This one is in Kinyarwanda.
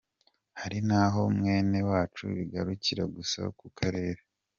Hari n’aho mwene wacu bigarukira gusa ku karere.